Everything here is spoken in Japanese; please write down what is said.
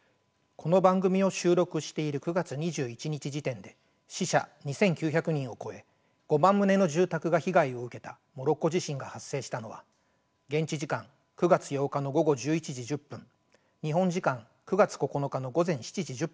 この番組を収録している９月２１日時点で死者２，９００人を超え５万棟の住宅が被害を受けたモロッコ地震が発生したのは現地時間９月８日の午後１１時１０分日本時間９月９日の午前７時１０分でした。